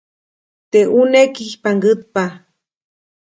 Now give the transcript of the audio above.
Teʼ ʼuneʼ kijpʼaŋgätpa.